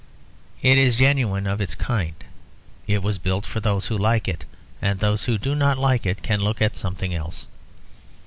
It is genuine of its kind; it was built for those who like it; and those who do not like it can look at something else.